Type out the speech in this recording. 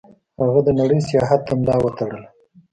هغه د نړۍ سیاحت ته ملا وتړله.